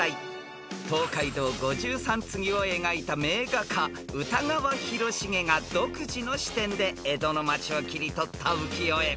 ［『東海道五十三次』を描いた名画家歌川広重が独自の視点で江戸の町を切り取った浮世絵